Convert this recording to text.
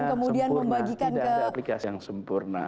tidak ada aplikasi yang sempurna